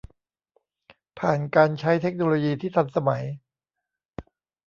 ผ่านการใช้เทคโนโลยีที่ทันสมัย